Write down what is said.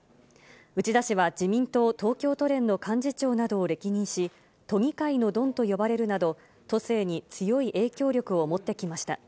内田氏は、自民党東京都連の幹事長などを歴任し、都議会のドンと呼ばれるなど、都政に強い影響力を持ってきました。